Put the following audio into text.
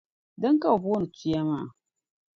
Dina ka bɛ booni tuya maa.